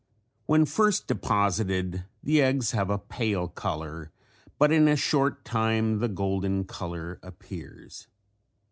When first deposited the eggs have a pale color but in a short time the golden color appears.